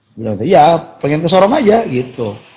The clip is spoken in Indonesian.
dia bilang gitu ya pengen ke sorong aja gitu